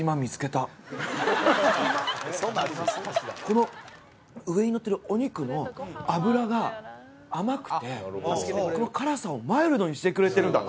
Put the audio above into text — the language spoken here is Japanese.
この上にのってるお肉の脂が甘くて辛さをマイルドにしてくれてるんだ。